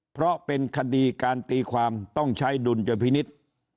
เพราะเป็นคดีการตีความต้องใช้ดุลยพินิษฐ์